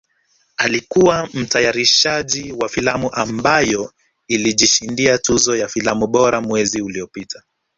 Alikuwa mtayarishaji wa filamu ambayo ilijishindia tuzo ya filamu bora mwezi uliopita